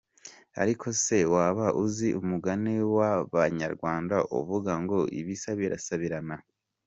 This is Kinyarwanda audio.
Ariko se waba uzi umugani w’abanyarwanda uvuga ngo ibisa birasabirana ?